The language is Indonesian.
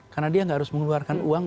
karena dia gak harus mengeluarkan uang